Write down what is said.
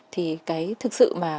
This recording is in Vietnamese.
thì cái thực sự mà